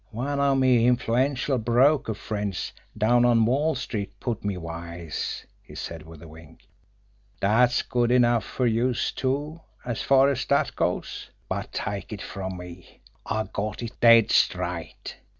"One of me influential broker friends down on Wall Street put me wise," he said, with a wink. "Dat's good enough fer youse two, as far as dat goes. But take it from me, I got it dead straight."